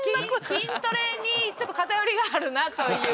筋トレにちょっと偏りがあるなという。